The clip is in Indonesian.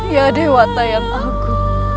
ya dewa tayang aku